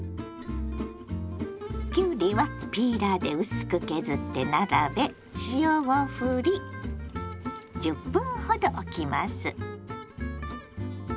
きゅうりはピーラーで薄く削って並べ塩をふり１０分ほどおきます。